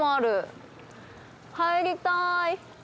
入りたい。